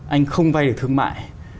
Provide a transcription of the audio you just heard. anh không vay được thương mại